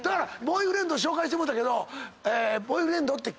ボーイフレンド紹介してもろうたけど。